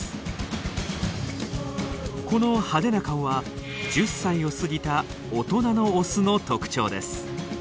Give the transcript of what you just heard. この派手な顔は１０歳を過ぎた大人のオスの特徴です。